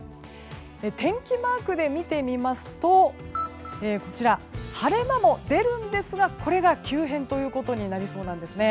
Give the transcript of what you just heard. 天気マークで見てみますと晴れ間も出るんですがこれが急変ということになりそうです。